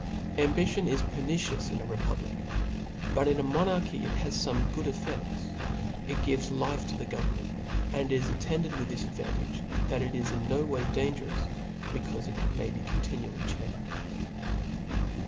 Ambition is pernicious in a republic. But in a flooaarcby it has fbnae good effedks ; it gives life to the goTernmotity and is attended with this advant age, that ic is OD way dangerous, becau& it may be continually checked.